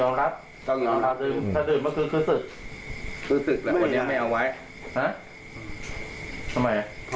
อ่านวัดทักษีหลังบันดาบสี่สำแลนต์